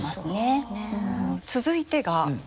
続いてが。